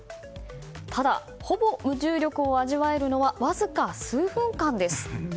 ただ、ほぼ無重力を味わえるのはわずか数分間です。